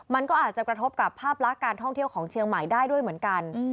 มันก็อาจจะกระทบกับภาพลักษณ์การท่องเที่ยวของเชียงใหม่ได้ด้วยเหมือนกัน